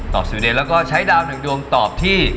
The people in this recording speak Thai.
ตอบสวีเดนด์แล้วก็ใช้ดาว๑ดวงตอบที่